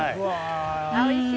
おいしい。